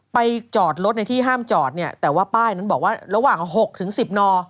จอดรถในที่ห้ามจอดเนี่ยแต่ว่าป้ายนั้นบอกว่าระหว่าง๖๑๐น